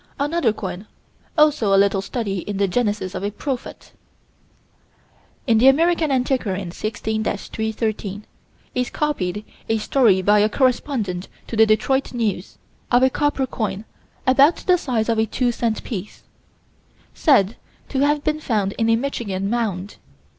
Another coin. Also a little study in the genesis of a prophet. In the American Antiquarian, 16 313, is copied a story by a correspondent to the Detroit News, of a copper coin about the size of a two cent piece, said to have been found in a Michigan mound.